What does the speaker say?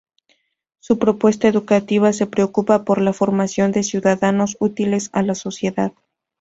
Su propuesta educativa se preocupa por la formación de ciudadanos útiles a la sociedad.